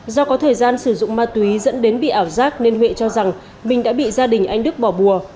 do có thời gian sử dụng ma túy dẫn đến bị ảo giác nên huệ cho rằng mình đã bị gia đình anh đức bỏ bùa